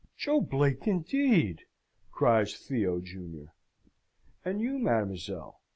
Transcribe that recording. "Joe Blake, indeed!" cries Theo junior. "And you, mademoiselle?